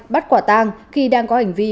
bắt quả tang khi đang có hành vi